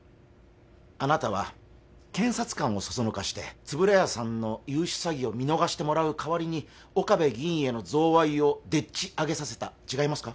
あなたは検察官をそそのかして円谷さんの融資詐欺を見逃してもらうかわりに岡部議員への贈賄をでっちあげさせた違いますか？